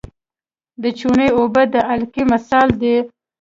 د چونې اوبه د القلي مثال دی.